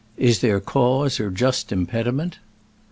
IS THERE CAUSE OR JUST IMPEDIMENT?